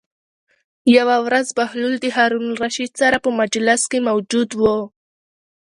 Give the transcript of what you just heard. یوه ورځ بهلول د هارون الرشید سره په مجلس کې موجود و.